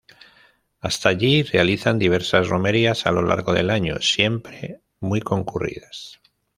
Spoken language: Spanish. Hasta allí realizan diversas romerías a lo largo del año, siempre muy concurridas.